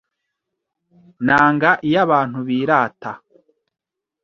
Nanga iyo abantu birata